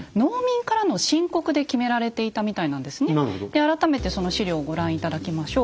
改めてその史料をご覧頂きましょう。